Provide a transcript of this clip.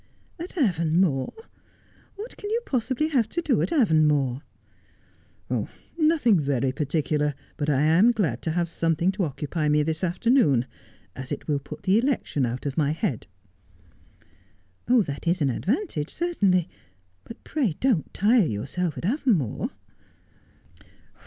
' At Avonmore ! What can you possibly have to do at Avonmore 1 ' 'Nothing very particular ; but I am glad to have something to occupy me this afternoon, as it will put the election out of my head.' ' That is an advantage, certainly. But pray don't tire yourself at Avonmore.'